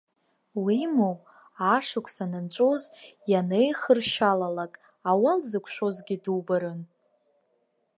Уимоу, ашықәс анынҵәоз, ианеихыршьалалак, ауал зықәшәозгьы дубарын.